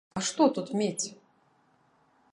А што тут мець?